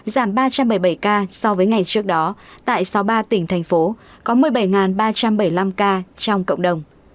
giảm ba trăm bảy mươi bảy ca so với ngày trước đó tại sáu mươi ba tỉnh thành phố có một mươi bảy ba trăm bảy mươi năm ca trong cộng đồng